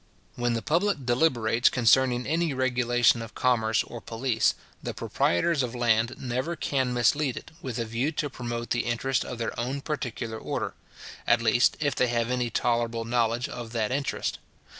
When the public deliberates concerning any regulation of commerce or police, the proprietors of land never can mislead it, with a view to promote the interest of their own particular order; at least, if they have any tolerable knowledge of that interest.